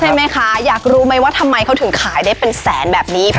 ใช่ไหมคะอยากรู้ไหมว่าทำไมเขาถึงขายได้เป็นแสนแบบนี้